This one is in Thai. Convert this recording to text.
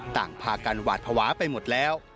ต่างพากันหวาดภาวะไปหมดแล้ว